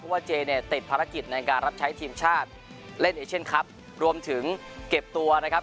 ว่าเจเนี่ยติดภารกิจในการรับใช้ทีมชาติเล่นเอเชียนคลับรวมถึงเก็บตัวนะครับ